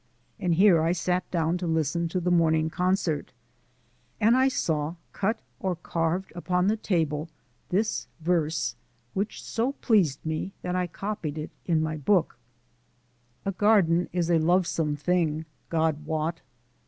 And here I sat down to listen to the morning concert, and I saw, cut or carved upon the table, this verse, which so pleased me that I copied it in my book: A garden is a lovesome thing, God wot!